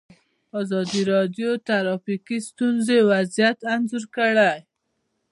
ازادي راډیو د ټرافیکي ستونزې وضعیت انځور کړی.